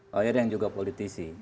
lawyer yang juga politisi